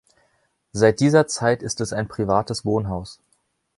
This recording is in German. Seit dieser Zeit ist es ein privates Wohnhaus.